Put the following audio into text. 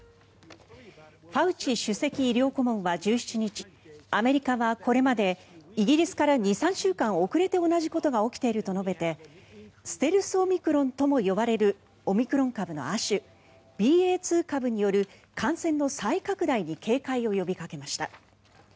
ファウチ首席医療顧問は１７日アメリカはこれまでイギリスから２３週間遅れて同じことが起きていると述べてステルス・オミクロンとも呼ばれるオミクロン株の亜種ＢＡ．２株による感染の再拡大に警戒を呼びかけました。